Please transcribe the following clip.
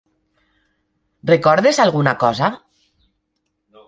Recordes alguna cosa?